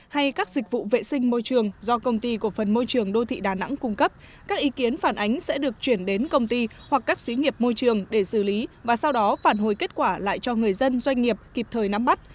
hay các dịch vụ vệ sinh môi trường do công ty cổ phần môi trường đô thị đà nẵng cung cấp các ý kiến phản ánh sẽ được chuyển đến công ty hoặc các sĩ nghiệp môi trường để xử lý và sau đó phản hồi kết quả lại cho người dân doanh nghiệp kịp thời nắm bắt